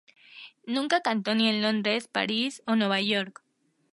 Nunca cantó ni en Londres, Paris o Nueva York.